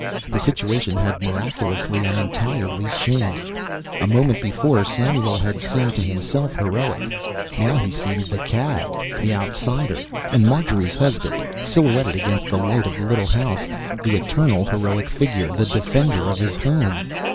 The situation had miraculously and entirely changed a moment before Samuel had seemed to himself heroic; now he seemed the cad, the outsider, and Marjorie's husband, silhouetted against the lights of the little house, the eternal heroic figure, the defender of his home.